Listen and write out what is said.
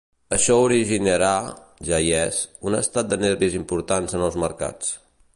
Això originarà –ja hi és– un estat de nervis important en els mercats.